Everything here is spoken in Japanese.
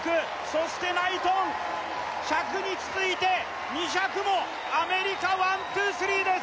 そしてナイトン１００に続いて２００もアメリカワンツースリーです